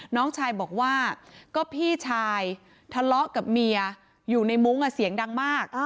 น้องชายบอกว่าก็พี่ชายทะเลาะกับเมียอยู่ในมุ้งเสียงดังมาก